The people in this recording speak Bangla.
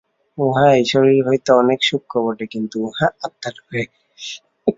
উহা এই শরীর হইতে অনেক সূক্ষ্ম বটে, কিন্তু উহা আত্মা নহে।